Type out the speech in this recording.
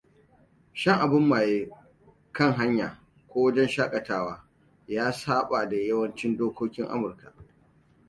Shan abin maye kan hanya ko wajen shakatawa ya saɓa da yawancin dokokin Amurka.